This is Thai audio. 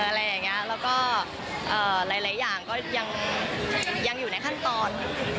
อะไรอย่างนี้แล้วก็หลายอย่างก็ยังอยู่ในขั้นตอน